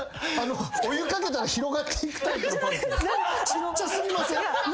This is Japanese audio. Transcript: ちっちゃ過ぎません？